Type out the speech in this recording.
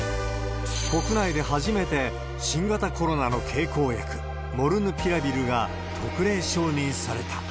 国内で初めて新型コロナの経口薬、モルヌピラビルが特例承認された。